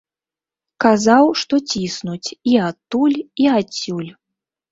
Казаў, што ціснуць і адтуль, і адсюль.